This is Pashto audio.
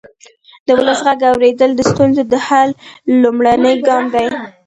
د ولس غږ اورېدل د ستونزو د حل لومړنی ګام دی